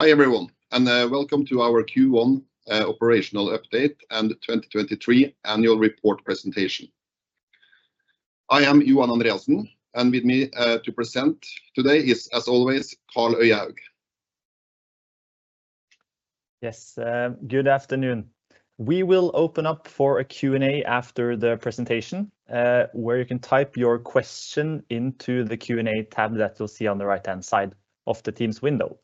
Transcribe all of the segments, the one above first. Hi everyone, and welcome to our Q1 operational update and 2023 annual report presentation. I am Johan Andreassen, and with me to present today is, as always, Karl Øyehaug. Yes, good afternoon. We will open up for a Q&A after the presentation, where you can type your question into the Q&A tab that you'll see on the right-hand side of the Teams window.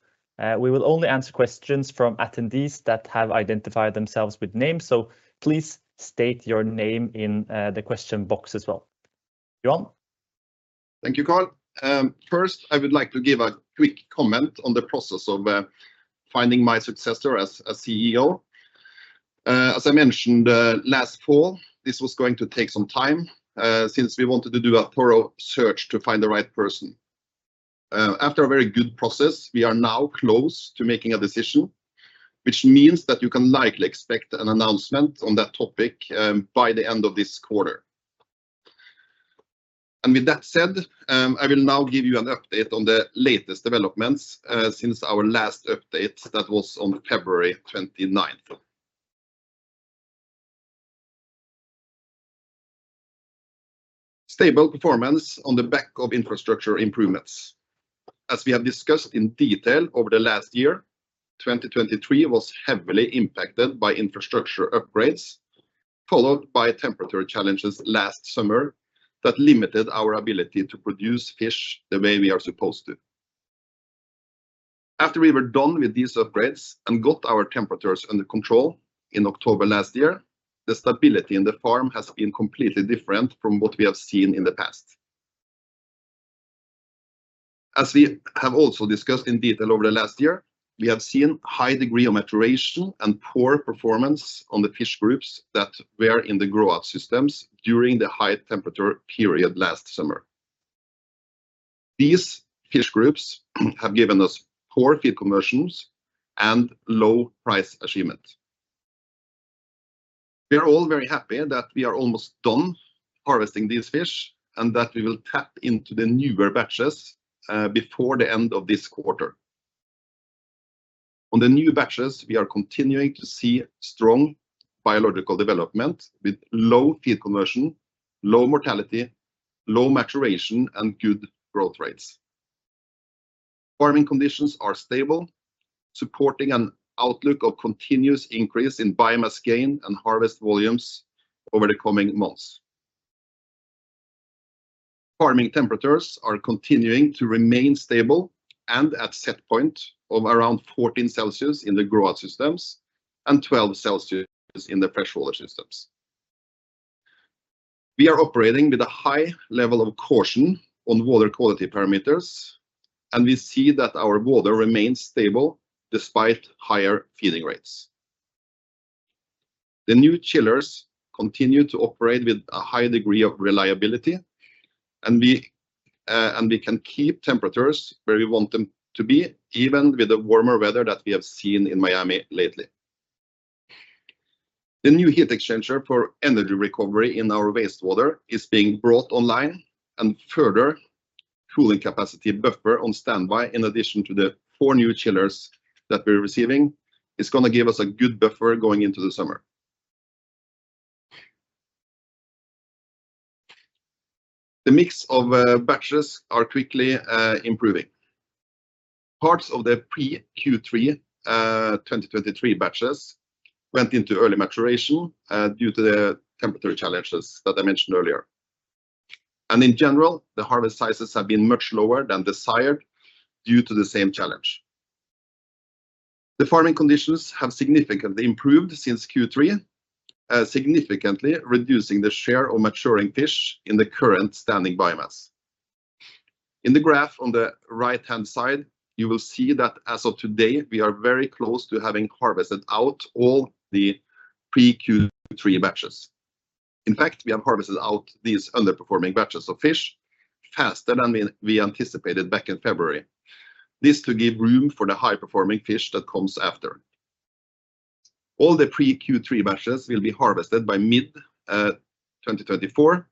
We will only answer questions from attendees that have identified themselves with names, so please state your name in the question box as well. Johan? Thank you, Karl. First, I would like to give a quick comment on the process of finding my successor as CEO. As I mentioned last fall, this was going to take some time since we wanted to do a thorough search to find the right person. After a very good process, we are now close to making a decision, which means that you can likely expect an announcement on that topic by the end of this quarter. And with that said, I will now give you an update on the latest developments since our last update that was on February 29th. Stable performance on the back of infrastructure improvements. As we have discussed in detail over the last year, 2023 was heavily impacted by infrastructure upgrades, followed by temperature challenges last summer that limited our ability to produce fish the way we are supposed to. After we were done with these upgrades and got our temperatures under control in October last year, the stability in the farm has been completely different from what we have seen in the past. As we have also discussed in detail over the last year, we have seen a high degree of maturation and poor performance on the fish groups that were in the grow-out systems during the high-temperature period last summer. These fish groups have given us poor feed conversions and low price achievement. We are all very happy that we are almost done harvesting these fish and that we will tap into the newer batches before the end of this quarter. On the new batches, we are continuing to see strong biological development with low feed conversion, low mortality, low maturation, and good growth rates. Farming conditions are stable, supporting an outlook of continuous increase in biomass gain and harvest volumes over the coming months. Farming temperatures are continuing to remain stable and at set points of around 14 degrees Celsius in the grow-out systems and 12 degrees Celsius in the freshwater systems. We are operating with a high level of caution on water quality parameters, and we see that our water remains stable despite higher feeding rates. The new chillers continue to operate with a high degree of reliability, and we can keep temperatures where we want them to be, even with the warmer weather that we have seen in Miami lately. The new heat exchanger for energy recovery in our wastewater is being brought online, and further cooling capacity buffer on standby, in addition to the four new chillers that we're receiving, is going to give us a good buffer going into the summer. The mix of batches is quickly improving. Parts of the pre-Q3 2023 batches went into early maturation due to the temperature challenges that I mentioned earlier. In general, the harvest sizes have been much lower than desired due to the same challenge. The farming conditions have significantly improved since Q3, significantly reducing the share of maturing fish in the current standing biomass. In the graph on the right-hand side, you will see that as of today, we are very close to having harvested out all the pre-Q3 batches. In fact, we have harvested out these underperforming batches of fish faster than we anticipated back in February. This is to give room for the high-performing fish that comes after. All the pre-Q3 batches will be harvested by mid-2024,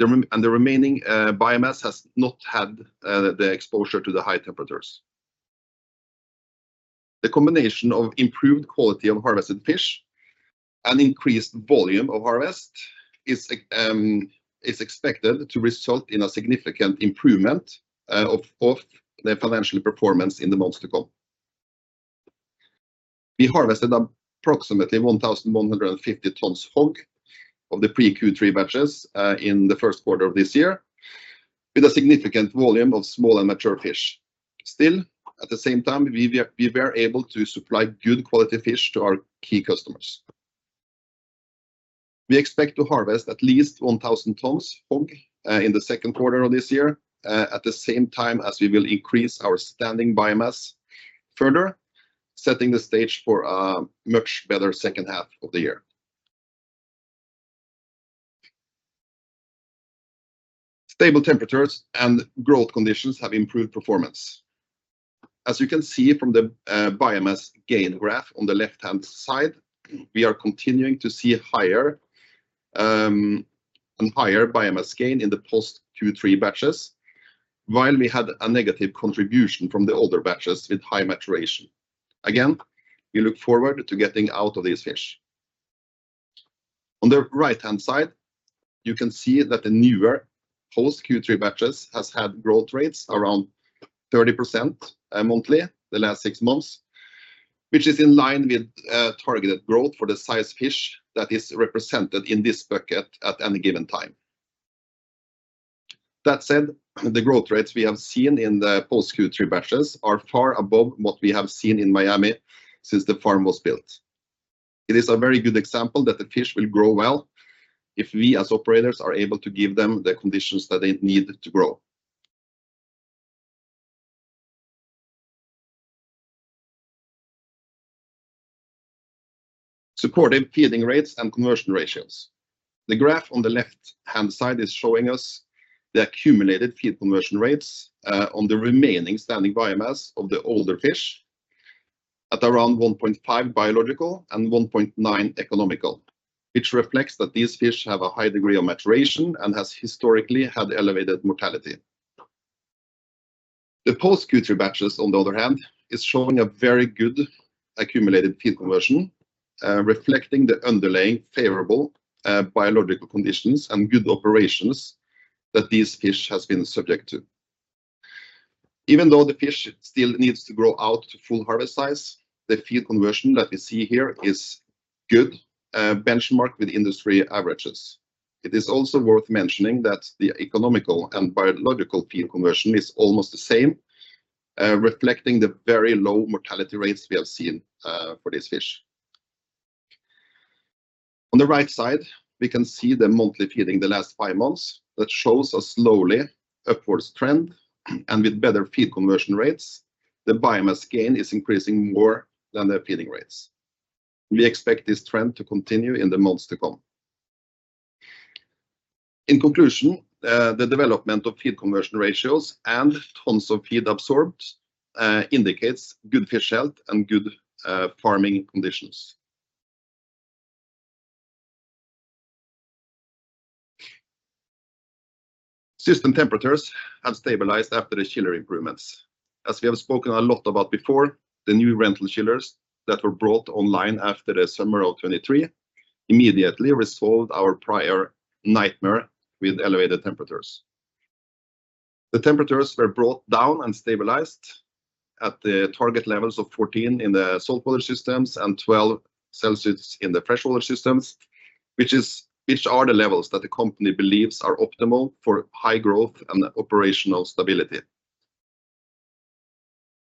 and the remaining biomass has not had the exposure to the high temperatures. The combination of improved quality of harvested fish and increased volume of harvest is expected to result in a significant improvement of the financial performance in the months to come. We harvested approximately 1,150 tons HOG of the pre-Q3 batches in the first quarter of this year, with a significant volume of small and mature fish. Still, at the same time, we were able to supply good quality fish to our key customers. We expect to harvest at least 1,000 tons HOG in the second quarter of this year, at the same time as we will increase our standing biomass further, setting the stage for a much better second half of the year. Stable temperatures and growth conditions have improved performance. As you can see from the biomass gain graph on the left-hand side, we are continuing to see higher biomass gain in the post-Q3 batches, while we had a negative contribution from the older batches with high maturation. Again, we look forward to getting out of these fish. On the right-hand side, you can see that the newer post-Q3 batches have had growth rates around 30% monthly the last six months, which is in line with targeted growth for the size fish that is represented in this bucket at any given time. That said, the growth rates we have seen in the post-Q3 batches are far above what we have seen in Miami since the farm was built. It is a very good example that the fish will grow well if we, as operators, are able to give them the conditions that they need to grow. Supportive feeding rates and conversion ratios. The graph on the left-hand side is showing us the accumulated feed conversion rates on the remaining standing biomass of the older fish at around 1.5 biological and 1.9 economical, which reflects that these fish have a high degree of maturation and have historically had elevated mortality. The post-Q3 batches, on the other hand, are showing a very good accumulated feed conversion, reflecting the underlying favorable biological conditions and good operations that these fish have been subject to. Even though the fish still needs to grow out to full harvest size, the feed conversion that we see here is a good benchmark with industry averages. It is also worth mentioning that the economical and biological feed conversion is almost the same, reflecting the very low mortality rates we have seen for these fish. On the right side, we can see the monthly feeding the last five months that shows a slowly upwards trend, and with better feed conversion rates, the biomass gain is increasing more than the feeding rates. We expect this trend to continue in the months to come. In conclusion, the development of feed conversion ratios and tons of feed absorbed indicates good fish health and good farming conditions. System temperatures have stabilized after the chiller improvements. As we have spoken a lot about before, the new rental chillers that were brought online after the summer of 2023 immediately resolved our prior nightmare with elevated temperatures. The temperatures were brought down and stabilized at the target levels of 14 degrees Celsius in the saltwater systems and 12 degrees Celsius in the freshwater systems, which are the levels that the company believes are optimal for high growth and operational stability.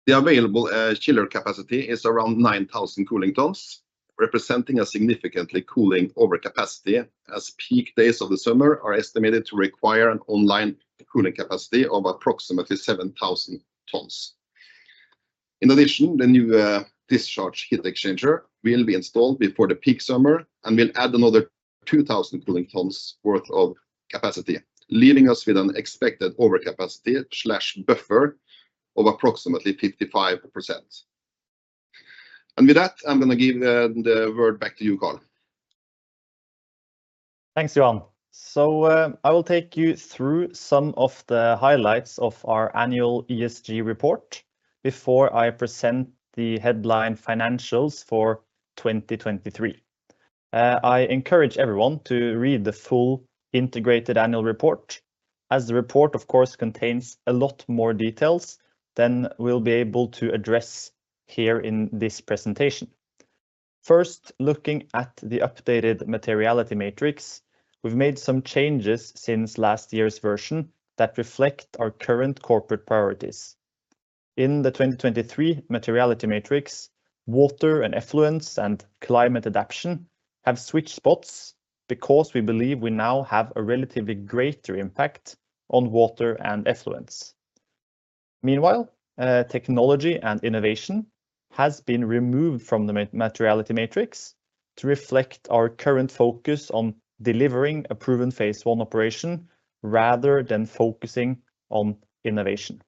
The available chiller capacity is around 9,000 cooling tons, representing a significant cooling overcapacity, as peak days of the summer are estimated to require an online cooling capacity of approximately 7,000 tons. In addition, the new discharge heat exchanger will be installed before the peak summer and will add another 2,000 cooling tons' worth of capacity, leaving us with an expected overcapacity/buffer of approximately 55%. With that, I'm going to give the word back to you, Karl. Thanks, Johan. So I will take you through some of the highlights of our annual ESG report before I present the headline financials for 2023. I encourage everyone to read the full integrated annual report, as the report, of course, contains a lot more details than we'll be able to address here in this presentation. First, looking at the updated materiality matrix, we've made some changes since last year's version that reflect our current corporate priorities. In the 2023 materiality matrix, water and effluent and climate adaptation have switched spots because we believe we now have a relatively greater impact on water and effluent. Meanwhile, technology and innovation have been removed from the materiality matrix to reflect our current focus on delivering a proven phase I operation rather than focusing on innovation.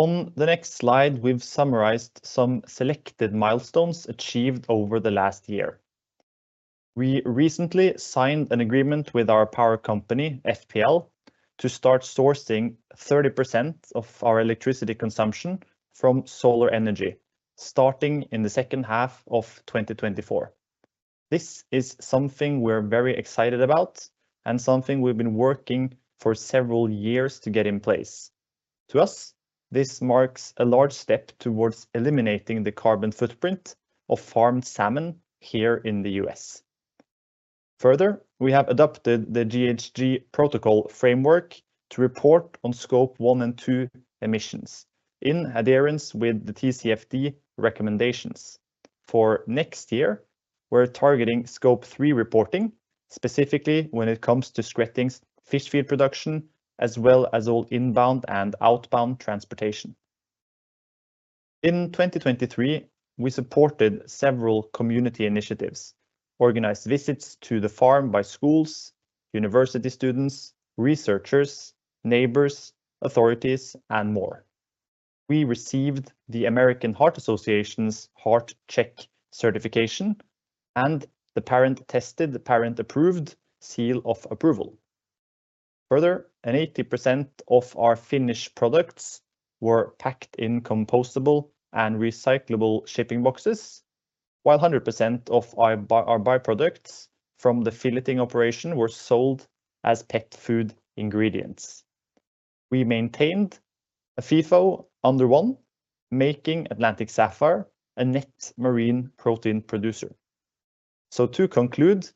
On the next slide, we've summarized some selected milestones achieved over the last year. We recently signed an agreement with our power company, FPL, to start sourcing 30% of our electricity consumption from solar energy, starting in the second half of 2024. This is something we're very excited about and something we've been working for several years to get in place. To us, this marks a large step towards eliminating the carbon footprint of farmed salmon here in the U.S. Further, we have adopted the GHG Protocol framework to report on Scope 1 and 2 emissions in adherence with the TCFD recommendations. For next year, we're targeting Scope 3 reporting, specifically when it comes to Skretting fish feed production, as well as all inbound and outbound transportation. In 2023, we supported several community initiatives, organized visits to the farm by schools, university students, researchers, neighbors, authorities, and more. We received the American Heart Association's Heart-Check certification and the Parent Tested Parent Approved seal of approval. Further, and 80% of our finished products were packed in compostable and recyclable shipping boxes, while 100% of our byproducts from the filleting operation were sold as pet food ingredients. We maintained a FIFO under one, making Atlantic Sapphire a net marine protein producer. So to conclude,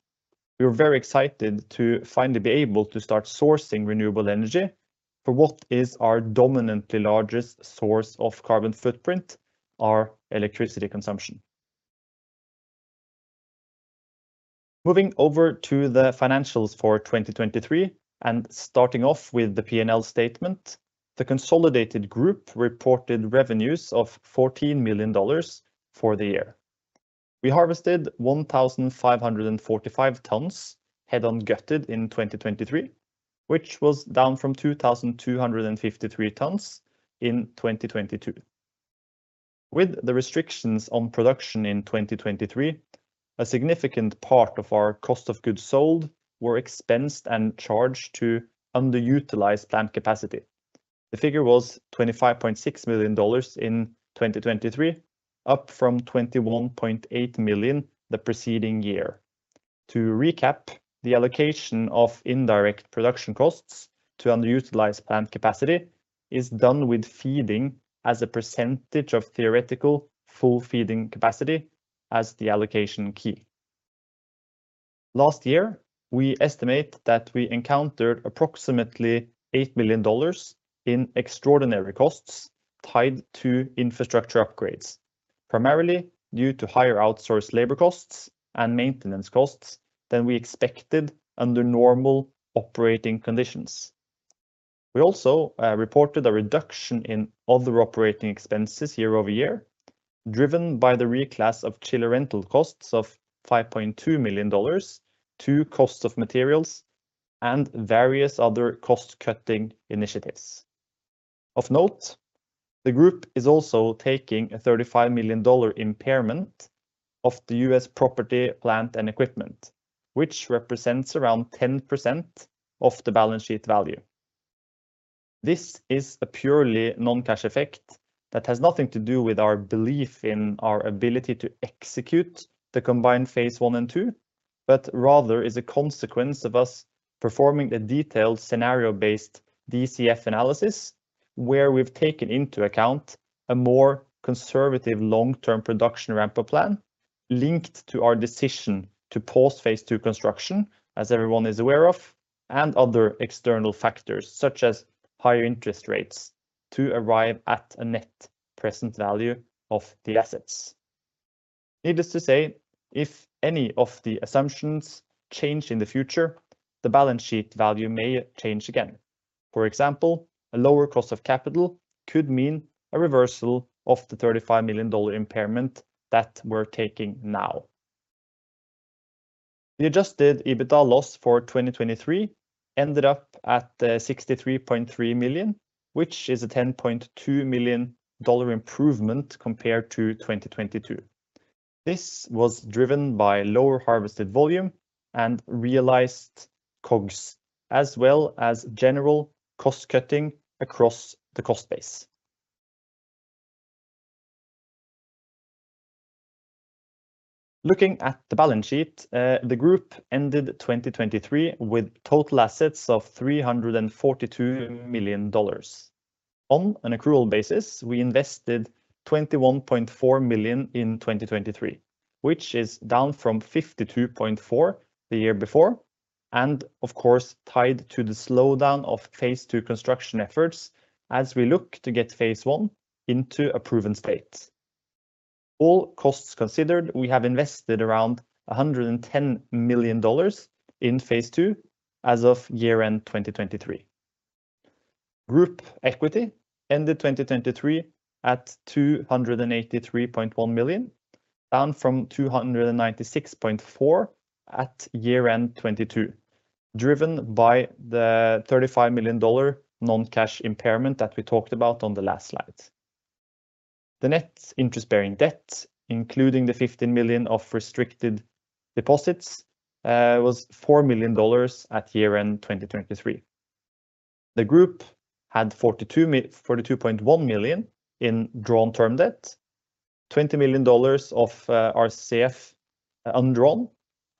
we're very excited to finally be able to start sourcing renewable energy for what is our dominantly largest source of carbon footprint: our electricity consumption. Moving over to the financials for 2023 and starting off with the P&L statement, the consolidated group reported revenues of $14 million for the year. We harvested 1,545 tons head-on-gutted in 2023, which was down from 2,253 tons in 2022. With the restrictions on production in 2023, a significant part of our cost of goods sold were expensed and charged to underutilized plant capacity. The figure was $25.6 million in 2023, up from $21.8 million the preceding year. To recap, the allocation of indirect production costs to underutilized plant capacity is done with feeding as a percentage of theoretical full feeding capacity as the allocation key. Last year, we estimate that we encountered approximately $8 million in extraordinary costs tied to infrastructure upgrades, primarily due to higher outsourced labor costs and maintenance costs than we expected under normal operating conditions. We also reported a reduction in other operating expenses year-over-year, driven by the reclass of chiller rental costs of $5.2 million to cost of materials and various other cost-cutting initiatives. Of note, the group is also taking a $35 million impairment of the U.S. property, plant, and equipment, which represents around 10% of the balance sheet value. This is a purely non-cash effect that has nothing to do with our belief in our ability to execute the combined phase I and II, but rather is a consequence of us performing the detailed scenario-based DCF analysis, where we've taken into account a more conservative long-term production ramp-up plan linked to our decision to pause phase II construction, as everyone is aware of, and other external factors such as higher interest rates to arrive at a net present value of the assets. Needless to say, if any of the assumptions change in the future, the balance sheet value may change again. For example, a lower cost of capital could mean a reversal of the $35 million impairment that we're taking now. The adjusted EBITDA loss for 2023 ended up at $63.3 million, which is a $10.2 million improvement compared to 2022. This was driven by lower harvested volume and realized COGS, as well as general cost-cutting across the cost base. Looking at the balance sheet, the group ended 2023 with total assets of $342 million. On an accrual basis, we invested $21.4 million in 2023, which is down from $52.4 million the year before and, of course, tied to the slowdown of phase II construction efforts as we look to get phase I into a proven state. All costs considered, we have invested around $110 million in phase II as of year-end 2023. Group equity ended 2023 at $283.1 million, down from $296.4 million at year-end 2022, driven by the $35 million non-cash impairment that we talked about on the last slide. The net interest-bearing debt, including the $15 million of restricted deposits, was $4 million at year-end 2023. The group had $42.1 million in drawn term debt, $20 million of RCF undrawn,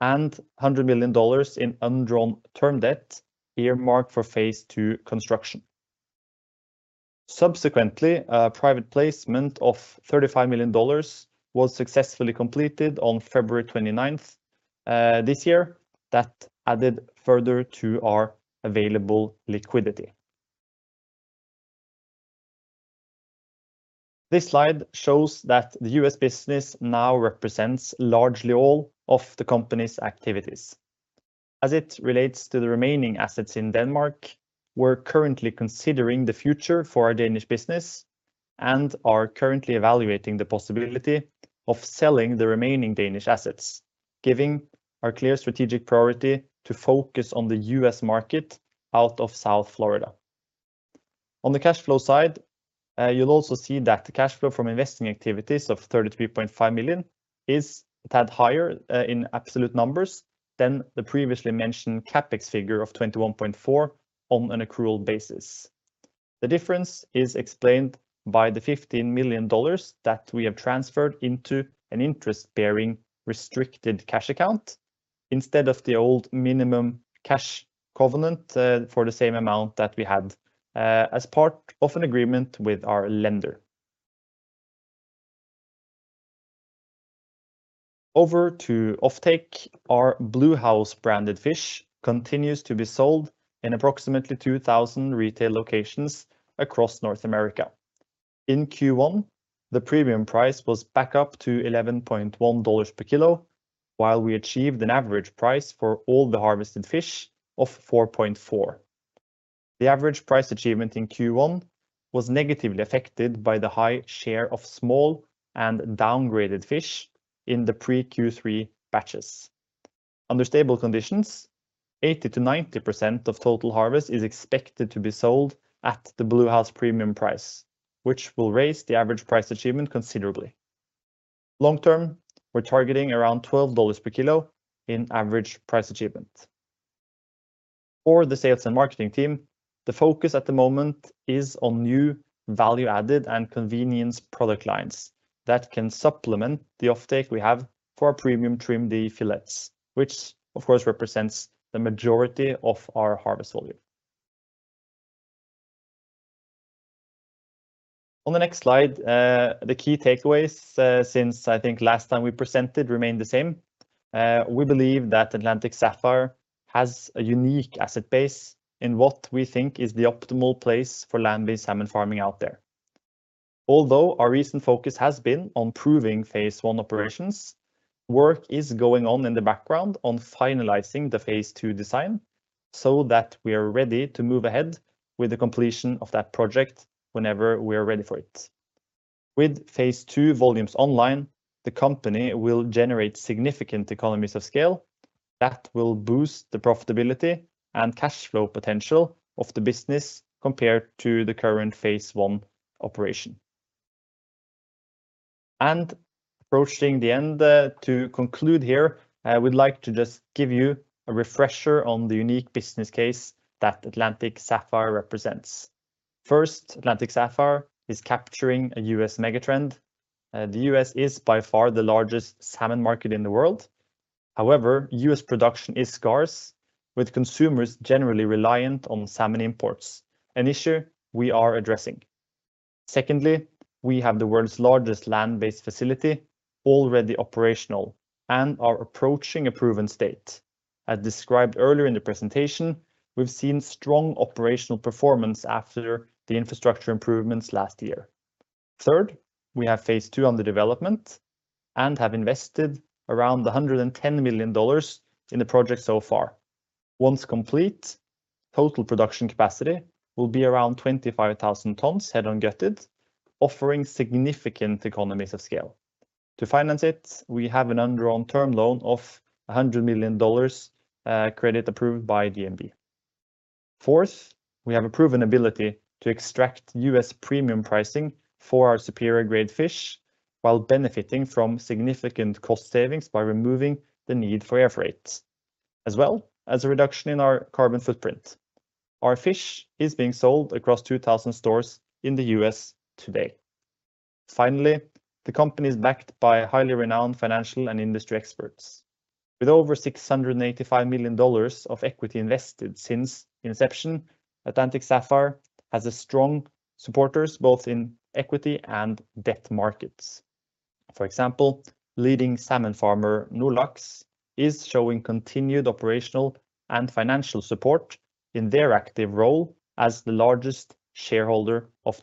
and $100 million in undrawn term debt earmarked for phase II construction. Subsequently, private placement of $35 million was successfully completed on February 29th this year, that added further to our available liquidity. This slide shows that the U.S. business now represents largely all of the company's activities. As it relates to the remaining assets in Denmark, we're currently considering the future for our Danish business and are currently evaluating the possibility of selling the remaining Danish assets, giving our clear strategic priority to focus on the U.S. market out of South Florida. On the cash flow side, you'll also see that the cash flow from investing activities of $33.5 million is a tad higher in absolute numbers than the previously mentioned CapEx figure of $21.4 million on an accrual basis. The difference is explained by the $15 million that we have transferred into an interest-bearing restricted cash account instead of the old minimum cash covenant for the same amount that we had as part of an agreement with our lender. Over to offtake, our Bluehouse branded fish continues to be sold in approximately 2,000 retail locations across North America. In Q1, the premium price was back up to $11.1 million per kilo, while we achieved an average price for all the harvested fish of $4.4 million. The average price achievement in Q1 was negatively affected by the high share of small and downgraded fish in the pre-Q3 batches. Under stable conditions, 80%-90% of total harvest is expected to be sold at the Bluehouse premium price, which will raise the average price achievement considerably. Long-term, we're targeting around $12 per kilo in average price achievement. For the sales and marketing team, the focus at the moment is on new value-added and convenience product lines that can supplement the offtake we have for our Premium Trim D fillets, which, of course, represents the majority of our harvest volume. On the next slide, the key takeaways since, I think, last time we presented remain the same. We believe that Atlantic Sapphire has a unique asset base in what we think is the optimal place for land-based salmon farming out there. Although our recent focus has been on proving phase I operations, work is going on in the background on finalizing the phase II design so that we are ready to move ahead with the completion of that project whenever we are ready for it. With phase II volumes online, the company will generate significant economies of scale that will boost the profitability and cash flow potential of the business compared to the current phase I operation. Approaching the end, to conclude here, we'd like to just give you a refresher on the unique business case that Atlantic Sapphire represents. First, Atlantic Sapphire is capturing a U.S. megatrend. The U.S. is by far the largest salmon market in the world. However, U.S. production is scarce, with consumers generally reliant on salmon imports, an issue we are addressing. Secondly, we have the world's largest land-based facility already operational and are approaching a proven state. As described earlier in the presentation, we've seen strong operational performance after the infrastructure improvements last year. Third, we have phase II under development and have invested around $110 million in the project so far. Once complete, total production capacity will be around 25,000 tons head-on-gutted, offering significant economies of scale. To finance it, we have an undrawn term loan of $100 million credit approved by DNB. Fourth, we have a proven ability to extract U.S. premium pricing for our superior-grade fish while benefiting from significant cost savings by removing the need for air freight, as well as a reduction in our carbon footprint. Our fish is being sold across 2,000 stores in the U.S. today. Finally, the company is backed by highly renowned financial and industry experts. With over $685 million of equity invested since inception, Atlantic Sapphire has strong supporters both in equity and debt markets. For example, leading salmon farmer Nordlaks is showing continued operational and financial support in their active role as the largest shareholder of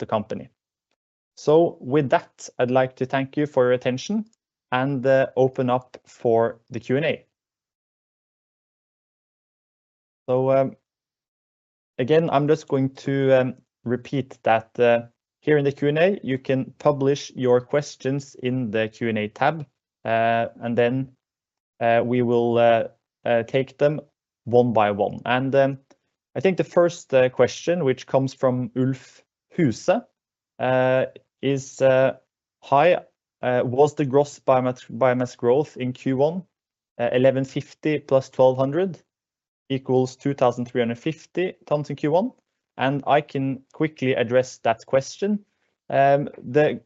the company. So with that, I'd like to thank you for your attention and open up for the Q&A. So again, I'm just going to repeat that here in the Q&A, you can publish your questions in the Q&A tab, and then we will take them one by one. And I think the first question, which comes from Ulf Huse, is: "Hi, was the gross biomass growth in Q1, 1,150+1,200=2,350 tons in Q1?" I can quickly address that question. The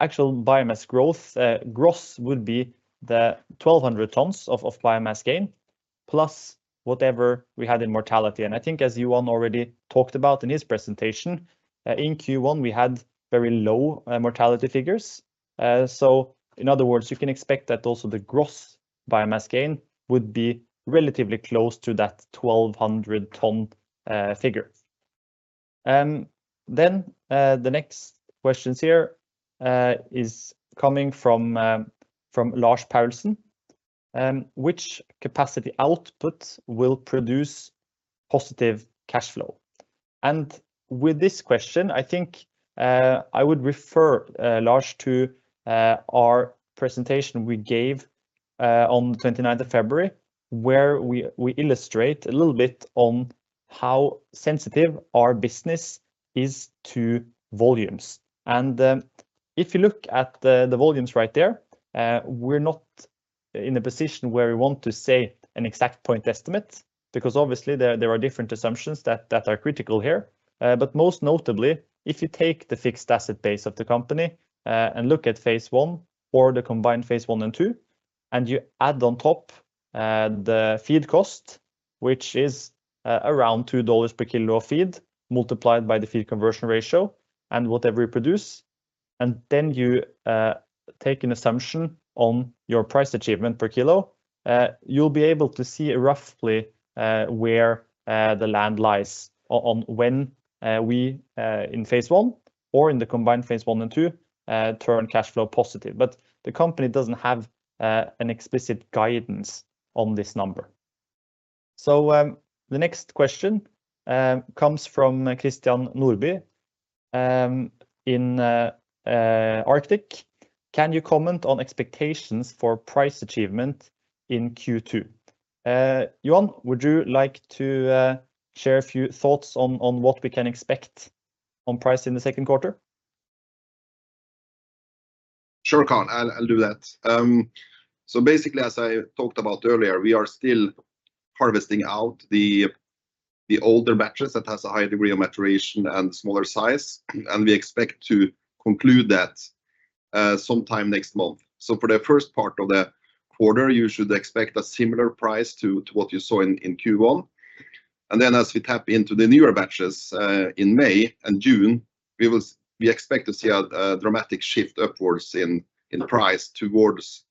actual biomass growth gross would be the 1,200 tons of biomass gain plus whatever we had in mortality. And I think, as Johan already talked about in his presentation, in Q1 we had very low mortality figures. So in other words, you can expect that also the gross biomass gain would be relatively close to that 1,200-ton figure. The next question here is coming from Lars Paulsen: "Which capacity output will produce positive cash flow?" With this question, I think I would refer Lars to our presentation we gave on the 29th of February, where we illustrate a little bit on how sensitive our business is to volumes. If you look at the volumes right there, we're not in a position where we want to say an exact point estimate, because obviously there are different assumptions that are critical here. But most notably, if you take the fixed asset base of the company and look at phase I or the combined phase I and II, and you add on top the feed cost, which is around $2 per kilo of feed multiplied by the feed conversion ratio and whatever you produce, and then you take an assumption on your price achievement per kilo, you'll be able to see roughly where the land lies on when we, in phase I or in the combined phase I and II, turn cash flow positive. But the company doesn't have an explicit guidance on this number. So the next question comes from Christian Nordby in Arctic: "Can you comment on expectations for price achievement in Q2?" Johan, would you like to share a few thoughts on what we can expect on price in the second quarter? Sure, Karl, I'll do that. So basically, as I talked about earlier, we are still harvesting out the older batches that have a higher degree of maturation and smaller size, and we expect to conclude that sometime next month. So for the first part of the quarter, you should expect a similar price to what you saw in Q1. And then as we tap into the newer batches in May and June, we expect to see a dramatic shift upwards in price towards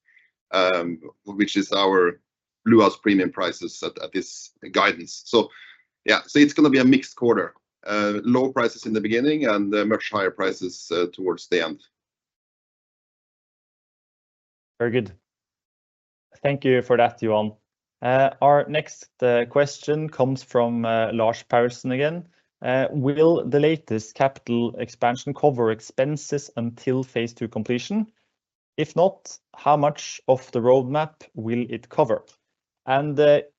which is our Bluehouse premium prices at this guidance. So yeah, it's going to be a mixed quarter: low prices in the beginning and much higher prices towards the end. Very good. Thank you for that, Johan. Our next question comes from Lars Paulsen again: "Will the latest capital expansion cover expenses until phase II completion? If not, how much of the roadmap will it cover?" And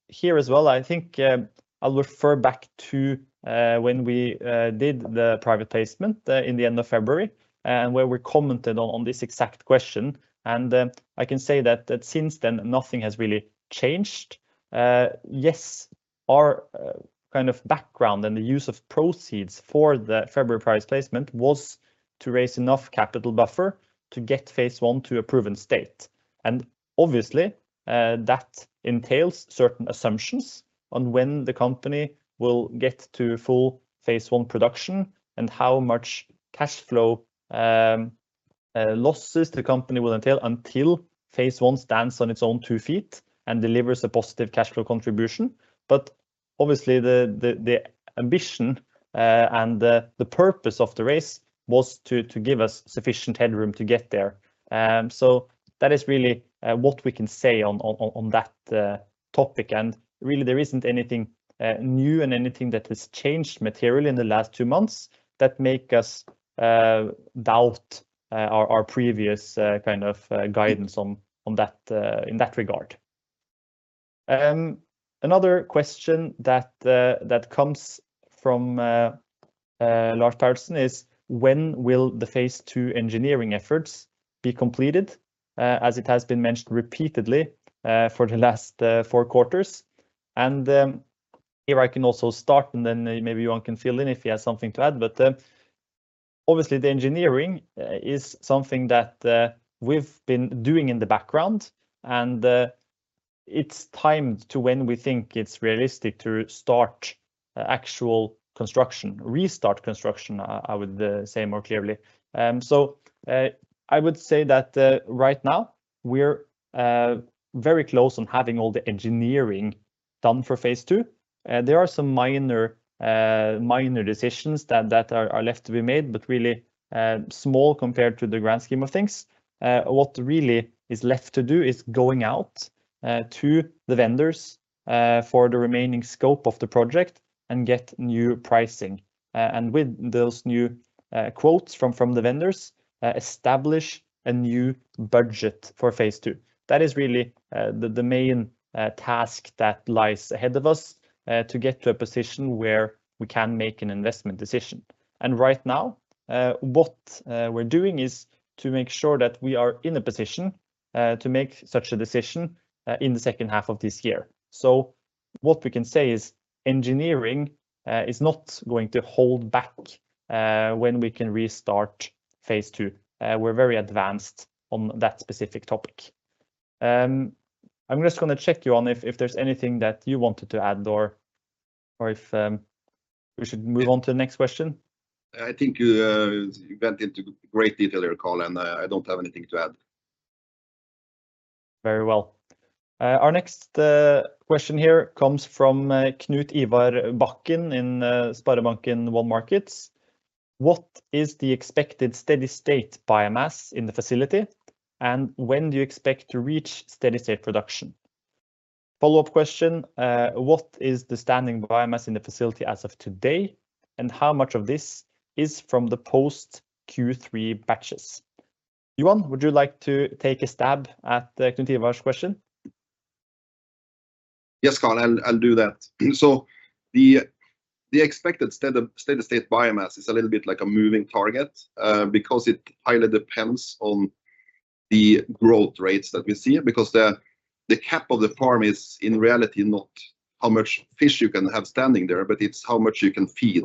here as well, I think I'll refer back to when we did the private placement in the end of February and where we commented on this exact question. And I can say that since then, nothing has really changed. Yes, our kind of background and the use of proceeds for the February private placement was to raise enough capital buffer to get phase I to a proven state. And obviously, that entails certain assumptions on when the company will get to full phase I production and how much cash flow losses the company will entail until phase I stands on its own two feet and delivers a positive cash flow contribution. But obviously, the ambition and the purpose of the raise was to give us sufficient headroom to get there. So that is really what we can say on that topic. Really, there isn't anything new and anything that has changed materially in the last two months that makes us doubt our previous kind of guidance in that regard. Another question that comes from Lars Paulsen is: "When will the phase I engineering efforts be completed?" As it has been mentioned repeatedly for the last four quarters. Here, I can also start, and then maybe Johan can fill in if he has something to add. Obviously, the engineering is something that we've been doing in the background, and it's timed to when we think it's realistic to start actual construction, restart construction, I would say more clearly. I would say that right now, we're very close on having all the engineering done for phase II. There are some minor decisions that are left to be made, but really small compared to the grand scheme of things. What really is left to do is going out to the vendors for the remaining scope of the project and get new pricing. And with those new quotes from the vendors, establish a new budget for phase II. That is really the main task that lies ahead of us to get to a position where we can make an investment decision. And right now, what we're doing is to make sure that we are in a position to make such a decision in the second half of this year. So what we can say is engineering is not going to hold back when we can restart phase II. We're very advanced on that specific topic. I'm just going to check, Johan, if there's anything that you wanted to add or if we should move on to the next question. I think you went into great detail here, Karl, and I don't have anything to add. Very well. Our next question here comes from Knut Ivar Bakken in SpareBank 1 Markets: "What is the expected steady-state biomass in the facility, and when do you expect to reach steady-state production?" Follow-up question: "What is the standing biomass in the facility as of today, and how much of this is from the post-Q3 batches?" Johan, would you like to take a stab at Knut Ivar's question? Yes, Karl, I'll do that. So the expected steady-state biomass is a little bit like a moving target because it highly depends on the growth rates that we see, because the cap of the farm is in reality not how much fish you can have standing there, but it's how much you can feed.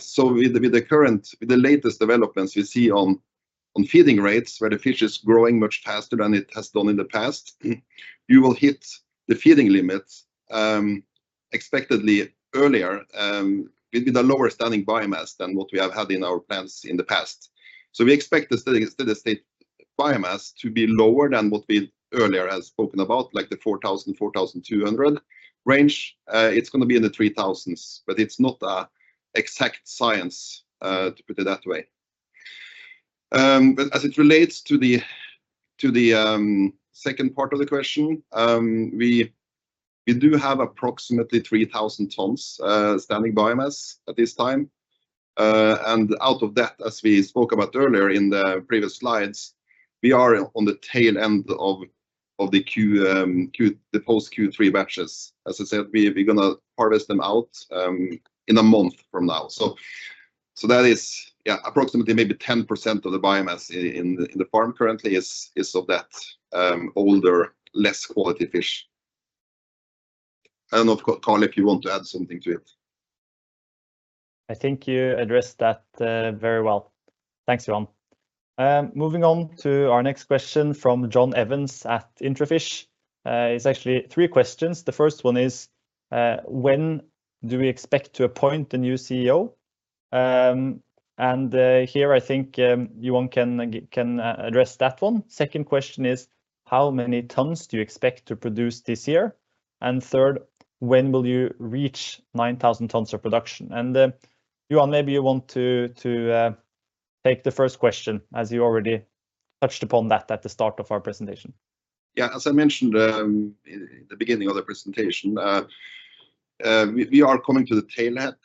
So with the latest developments we see on feeding rates, where the fish is growing much faster than it has done in the past, you will hit the feeding limits expectedly earlier with a lower standing biomass than what we have had in our plants in the past. So we expect the steady-state biomass to be lower than what we earlier have spoken about, like the 4,000-4,200 range. It's going to be in the 3,000s, but it's not an exact science to put it that way. But as it relates to the second part of the question, we do have approximately 3,000 tons standing biomass at this time. And out of that, as we spoke about earlier in the previous slides, we are on the tail end of the post-Q3 batches. As I said, we're going to harvest them out in a month from now. So that is approximately maybe 10% of the biomass in the farm currently is of that older, less quality fish. I don't know, Karl, if you want to add something to it. I think you addressed that very well. Thanks, Johan. Moving on to our next question from John Evans at IntraFish. It's actually three questions. The first one is: "When do we expect to appoint the new CEO?" And here, I think Johan can address that one. The second question is: "How many tons do you expect to produce this year?" And third: "When will you reach 9,000 tons of production?" Johan, maybe you want to take the first question, as you already touched upon that at the start of our presentation. Yeah, as I mentioned in the beginning of the presentation, we are coming to the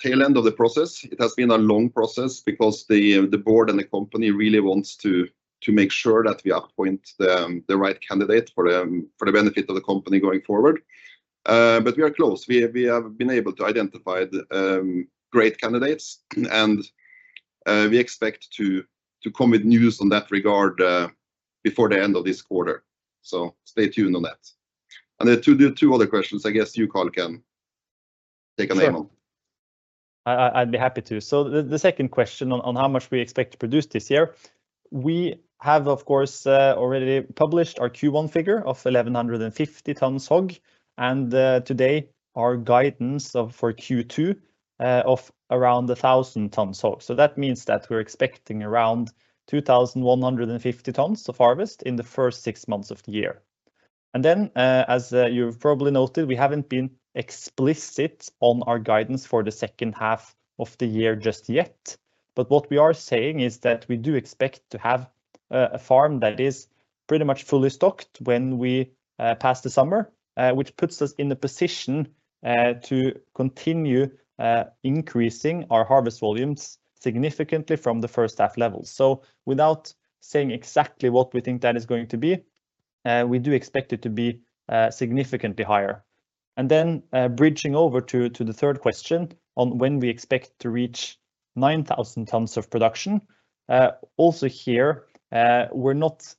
tail end of the process. It has been a long process because the board and the company really want to make sure that we appoint the right candidate for the benefit of the company going forward. But we are close. We have been able to identify great candidates, and we expect to come with news on that regard before the end of this quarter. So stay tuned on that. And the two other questions, I guess you, Karl, can take a name on. Sure. I'd be happy to. So the second question on how much we expect to produce this year, we have, of course, already published our Q1 figure of 1,150 tons HOG, and today our guidance for Q2 of around 1,000 tons HOG. So that means that we're expecting around 2,150 tons of harvest in the first six months of the year. And then, as you've probably noted, we haven't been explicit on our guidance for the second half of the year just yet. But what we are saying is that we do expect to have a farm that is pretty much fully stocked when we pass the summer, which puts us in a position to continue increasing our harvest volumes significantly from the first half levels. So without saying exactly what we think that is going to be, we do expect it to be significantly higher. Then bridging over to the third question on when we expect to reach 9,000 tons of production, also here, we're not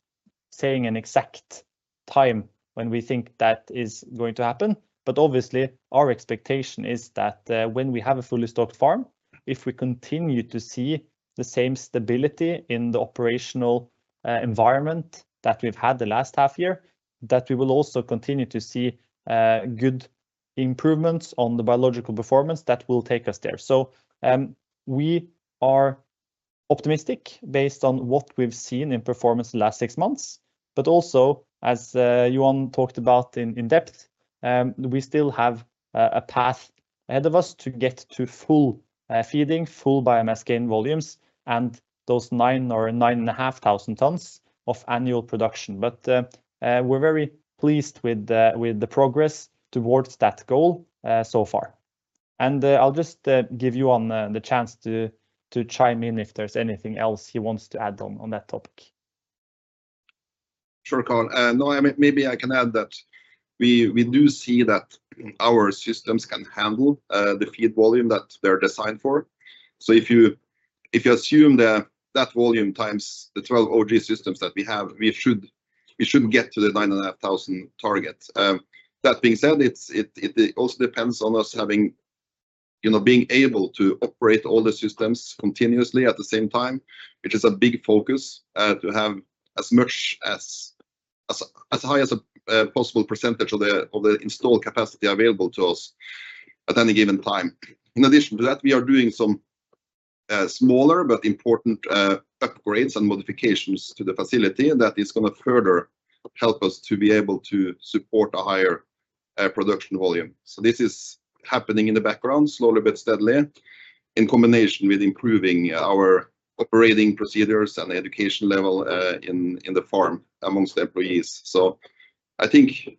saying an exact time when we think that is going to happen. But obviously, our expectation is that when we have a fully stocked farm, if we continue to see the same stability in the operational environment that we've had the last half year, that we will also continue to see good improvements on the biological performance that will take us there. So we are optimistic based on what we've seen in performance the last six months. But also, as Johan talked about in depth, we still have a path ahead of us to get to full feeding, full biomass gain volumes, and those 9,000 tons or 9,500 tons of annual production. But we're very pleased with the progress towards that goal so far. I'll just give Johan the chance to chime in if there's anything else he wants to add on that topic. Sure, Karl. No, maybe I can add that we do see that our systems can handle the feed volume that they're designed for. If you assume that volume times the 12 OG systems that we have, we should get to the 9,500 target. That being said, it also depends on us being able to operate all the systems continuously at the same time, which is a big focus, to have as much as high as a possible percentage of the installed capacity available to us at any given time. In addition to that, we are doing some smaller but important upgrades and modifications to the facility that is going to further help us to be able to support a higher production volume. This is happening in the background slowly but steadily, in combination with improving our operating procedures and education level in the farm among the employees. So I think,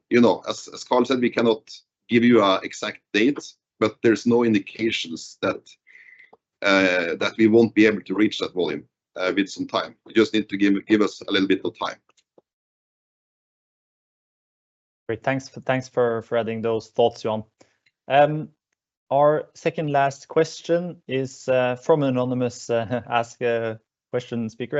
as Karl said, we cannot give you an exact date, but there's no indications that we won't be able to reach that volume with some time. You just need to give us a little bit of time. Great. Thanks for adding those thoughts, Johan. Our second last question is from an anonymous Ask A Question speaker.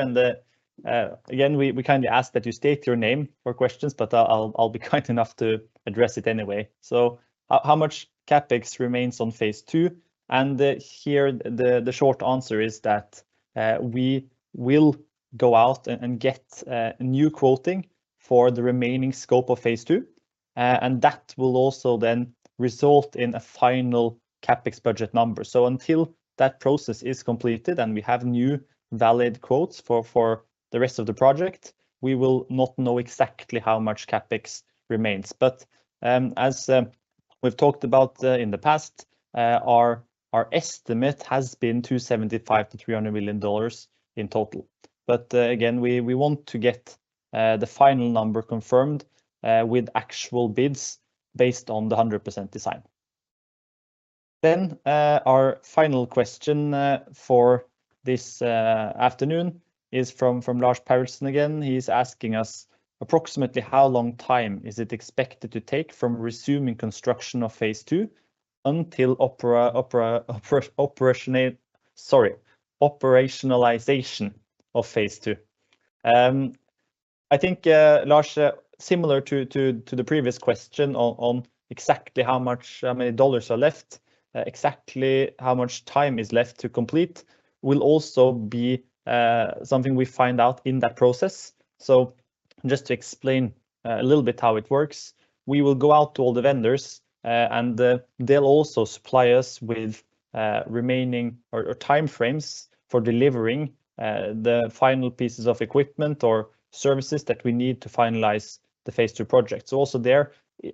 Again, we kindly ask that you state your name for questions, but I'll be kind enough to address it anyway. So how much CapEx remains on phase II? And here, the short answer is that we will go out and get new quoting for the remaining scope of phase II. And that will also then result in a final CapEx budget number. So until that process is completed and we have new valid quotes for the rest of the project, we will not know exactly how much CapEx remains. But as we've talked about in the past, our estimate has been $275 million-$300 million in total. But again, we want to get the final number confirmed with actual bids based on the 100% design. Then our final question for this afternoon is from Lars Paulsen again. He's asking us approximately how long time is it expected to take from resuming construction of phase II until operationalization of phase II. I think, Lars, similar to the previous question on exactly how many dollars are left, exactly how much time is left to complete, will also be something we find out in that process. So just to explain a little bit how it works, we will go out to all the vendors, and they'll also supply us with remaining timeframes for delivering the final pieces of equipment or services that we need to finalize the phase II project. So also there,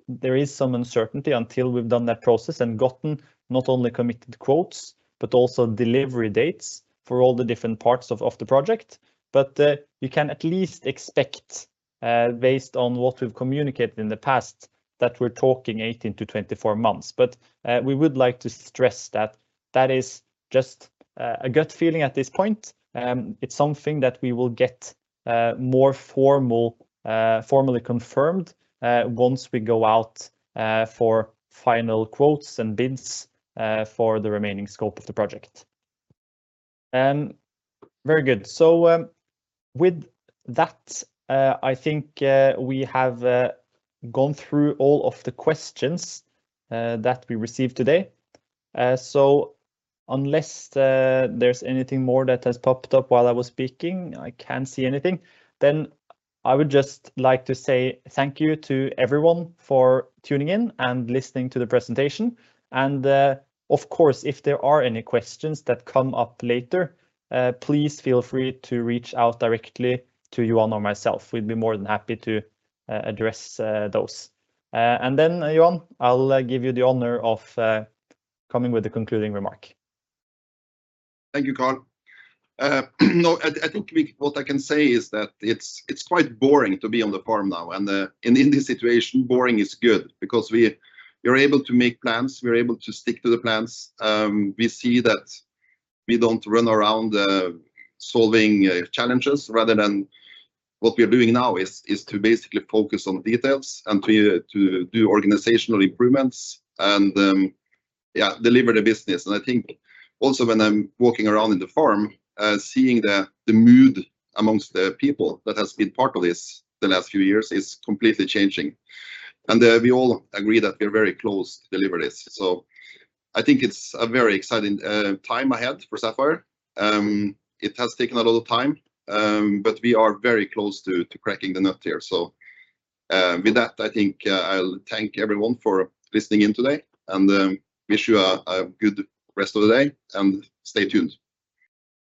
there is some uncertainty until we've done that process and gotten not only committed quotes, but also delivery dates for all the different parts of the project. But you can at least expect, based on what we've communicated in the past, that we're talking 18-24 months. But we would like to stress that that is just a gut feeling at this point. It's something that we will get more formally confirmed once we go out for final quotes and bids for the remaining scope of the project. Very good. So with that, I think we have gone through all of the questions that we received today. So unless there's anything more that has popped up while I was speaking, I can't see anything, then I would just like to say thank you to everyone for tuning in and listening to the presentation. And of course, if there are any questions that come up later, please feel free to reach out directly to Johan or myself. We'd be more than happy to address those. And then, Johan, I'll give you the honor of coming with the concluding remark. Thank you, Karl. No, I think what I can say is that it's quite boring to be on the farm now. And in this situation, boring is good because we're able to make plans. We're able to stick to the plans. We see that we don't run around solving challenges. Rather than what we're doing now is to basically focus on details and to do organizational improvements and deliver the business. I think also when I'm walking around in the farm, seeing the mood among the people that has been part of this the last few years is completely changing. We all agree that we're very close to deliver this. I think it's a very exciting time ahead for Sapphire. It has taken a lot of time, but we are very close to cracking the nut here. With that, I think I'll thank everyone for listening in today and wish you a good rest of the day. Stay tuned.